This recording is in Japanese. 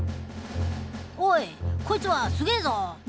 「おいこいつはすげえぞなあ」。